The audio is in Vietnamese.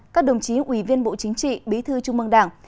các đồng chí ủy viên bộ chính trị bí thư trung mương đảng